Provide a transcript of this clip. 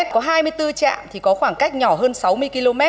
có hai mươi bốn trạm thì có khoảng cách nhỏ hơn sáu mươi km